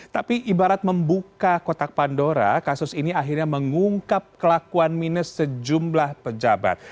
tapi ibarat membuka kotak pandora kasus ini akhirnya mengungkap kelakuan minus sejumlah pejabat